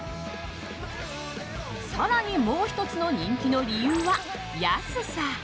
更にもう１つの人気の理由は安さ。